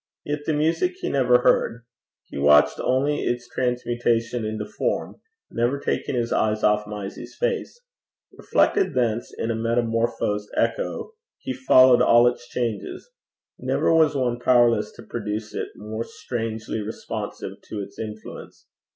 Yet the music he never heard; he watched only its transmutation into form, never taking his eyes off Mysie's face. Reflected thence in a metamorphosed echo, he followed all its changes. Never was one powerless to produce it more strangely responsive to its influence.